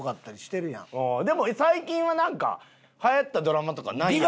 ああでも最近はなんかはやったドラマとかないやん。